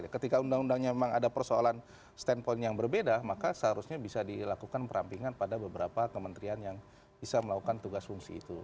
ketika undang undangnya memang ada persoalan standpoint yang berbeda maka seharusnya bisa dilakukan perampingan pada beberapa kementerian yang bisa melakukan tugas fungsi itu